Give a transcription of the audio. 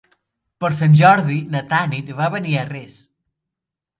Per Sant Jordi na Tanit va a Beniarrés.